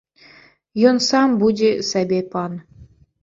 Ён сам будзе сабе пан.